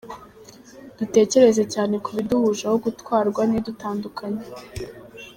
Dutekereze cyane ku biduhuje aho gutwarwa n’ibidutanya.